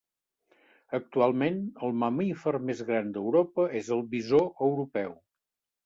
Actualment, el mamífer més gran d'Europa és el bisó europeu.